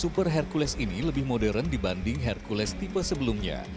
super hercules ini lebih modern dibanding hercules tipe sebelumnya